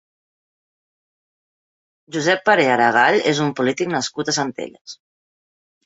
Josep Paré Aregall és un polític nascut a Centelles.